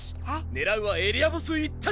狙うはエリアボス一択！